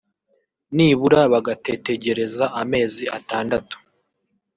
nibura bagatetegereza amezi atandatu